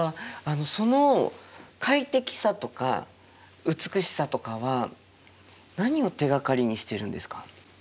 その快適さとか美しさとかは何を手がかりにしてるんですか？